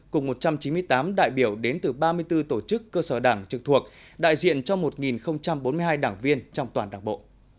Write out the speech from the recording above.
cùng một trăm chín mươi tám đại biểu đến từ ba mươi bốn tổ chức cơ sở đảng trực thuộc đại diện cho một bốn mươi hai đảng viên trong toàn đảng bộ